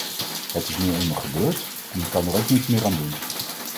Het is nu eenmaal gebeurd, en ik kan er ook niets meer aan doen.